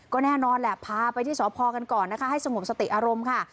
ก็แน่นอนแหละพาไปที่สพกันก่อนนะคะให้สงบสติอารมณ์ค่ะ